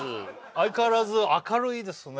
相変わらず明るいですね